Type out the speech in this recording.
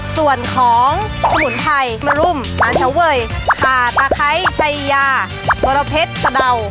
ส่วนของสมุนไทยมรุมน้ำเฉาเวยขาตาไครชัยยาโบราเพชรสดาว